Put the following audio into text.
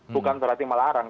bukan berarti melarang